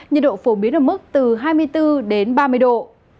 nhiệt độ phổ biến ở mức từ hai mươi bốn đến ba mươi độ